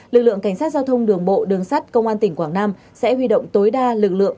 lực lượng cảnh sát giao thông đường bộ đường sắt công an tỉnh quảng nam sẽ huy động tối đa lực lượng